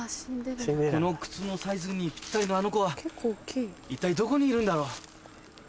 この靴のサイズにぴったりのあの子は一体どこにいるんだろう？